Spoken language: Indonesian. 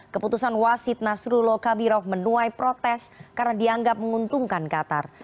keputusan wasid nasrullah kabirov menuai protes karena dianggap menguntungkan qatar